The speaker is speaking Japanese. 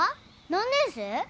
何年生？